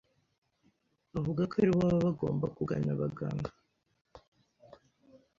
avuga ko aribo baba bagomba kugana abaganga